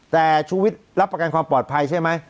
แต่ชูวิทย์รับประกันความปลอดภัยใช่ไหม